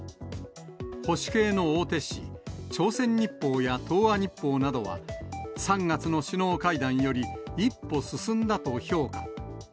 保守系の大手紙、朝鮮日報や東亜日報などは、３月の首脳会談より、一歩進んだと評価。